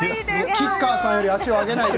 吉川さんよりも足を上げないで。